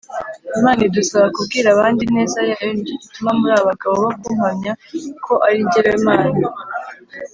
imana idusaba kubwira abandi ineza yayo “ni cyo gituma muri abagabo bo kumpamya ko ari jyewe mana